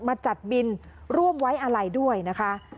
มาจัดบินร่วมไว้อะไรด้วยนะคะ